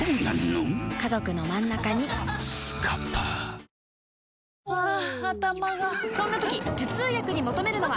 三菱電機ハァ頭がそんな時頭痛薬に求めるのは？